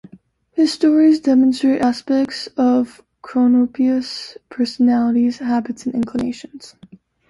His stories demonstrate aspects of cronopios' personalities, habits, and inclinations.